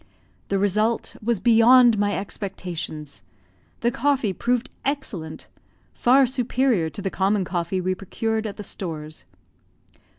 The result was beyond my expectations. The coffee proved excellent far superior to the common coffee we procured at the stores.